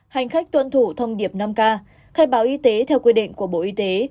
hành khách tuân thủ thông điệp năm k khai báo y tế theo quy định của bộ y tế